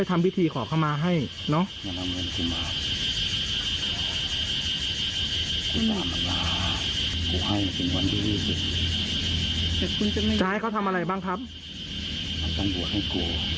กับตังบวชให้กู